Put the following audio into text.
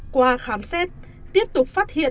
qua khám xét tiếp tục phát triển